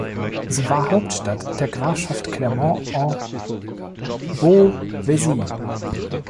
Sie war Hauptstadt der Grafschaft Clermont-en-Beauvaisis.